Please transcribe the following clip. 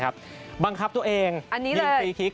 บังคับตัวเอง๑ฟรีคลิก